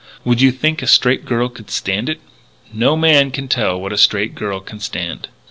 Would you think a straight girl could stand it?" "No man can tell what a straight girl can stand."